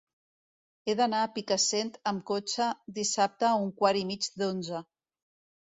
He d'anar a Picassent amb cotxe dissabte a un quart i mig d'onze.